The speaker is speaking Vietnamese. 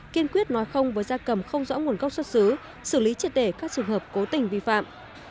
kiên quyết nói không với da cầm không rõ nguồn gốc xuất xứ xử lý triệt để các trường hợp cố tình vi phạm